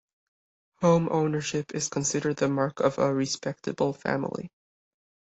Home ownership is considered the mark of a "respectable" family.